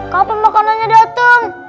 kapan makanannya dateng